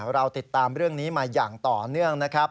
เราติดตามเรื่องนี้มาอย่างต่อเนื่องนะครับ